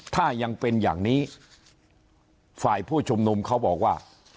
ถ้ายังเป็นอย่างนี้ฝ่ายผู้ชุมนุมเขาบอกว่า